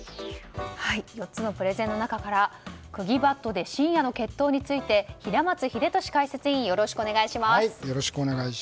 ４つのプレゼンの中から釘バットで深夜の決闘について平松秀敏解説委員よろしくお願いします。